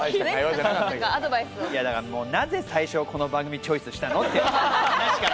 なぜ最初この番組チョイスしたの？という。